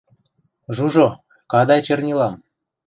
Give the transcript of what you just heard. Жужо, кадай чернилам.